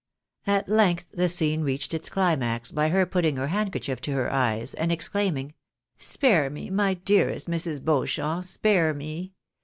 At length the scene reached its chmax by her putting her handkerchief to her eyes, and exclaiming, " Spare me ! my dearest Mrs. Beauchamp ! spare me